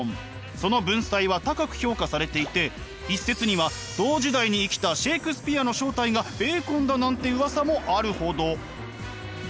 その文才は高く評価されていて一説には同時代に生きたシェークスピアの正体がベーコンだなんてうわさもあるほど。